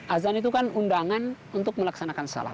azan itu kan undangan untuk melaksanakan salah